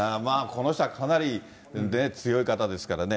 この人はかなり強い方ですからね。